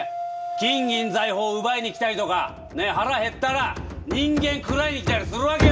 金銀財宝を奪いに来たりとか腹減ったら人間食らいに来たりするわけよ！